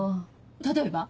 例えば？